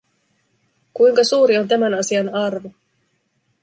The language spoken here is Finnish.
Kuinka suuri on tämän asian arvo?